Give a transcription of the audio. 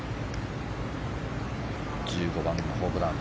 １５番のホブラン。